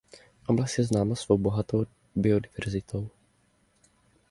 Oblast je známa svou bohatou biodeverzitou.